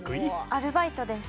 アルバイトです。